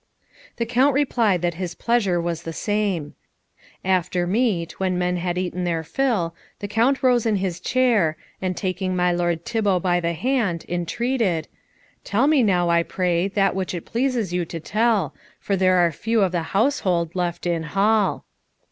The Count replied that his pleasure was the same. After meat, when men had eaten their fill, the Count rose in his chair, and taking my lord Thibault by the hand, entreated, "Tell me now, I pray, that which it pleases you to tell, for there are few of the household left in hall."